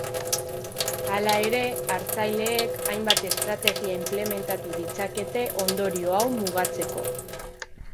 Hala ere, hartzaileek hainbat estrategia inplementatu ditzakete ondorio hau mugatzeko.